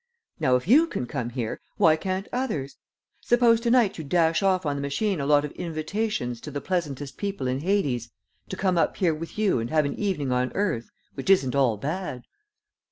Now if you can come here, why can't others? Suppose to night you dash off on the machine a lot of invitations to the pleasantest people in Hades to come up here with you and have an evening on earth, which isn't all bad."